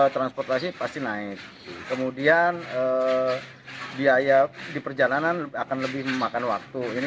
transportasi pasti naik kemudian biaya di perjalanan akan lebih memakan waktu ini